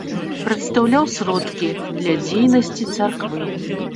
Прадстаўляў сродкі для дзейнасці царквы.